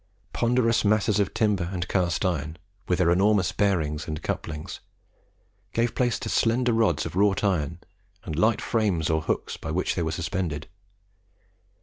Ponderous masses of timber and cast iron, with their enormous bearings and couplings, gave place to slender rods of wrought iron and light frames or hooks by which they were suspended.